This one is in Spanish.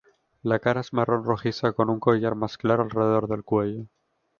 La cara es marrón rojiza con un collar más claro alrededor del cuello.